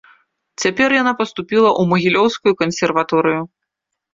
Цяпер яна паступіла ў магілёўскую кансерваторыю.